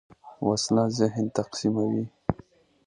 وسله ذهن تقسیموي